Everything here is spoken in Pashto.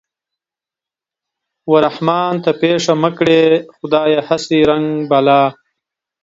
و رحمان ته پېښه مه کړې خدايه هسې رنگ بلا